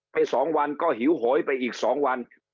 ไป๒วันก็หิวโหยไปอีก๒วัน